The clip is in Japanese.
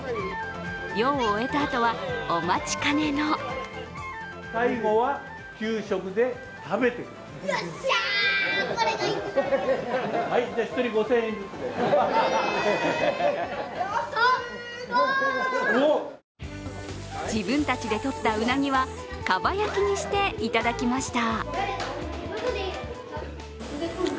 漁を終えたあとはお待ちかねの自分たちでとったうなぎはかば焼きにしていただきました。